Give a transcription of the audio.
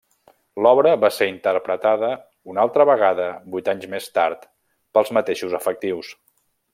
L'obra va ser interpretada una altra vegada vuit anys més tard pels mateixos efectius.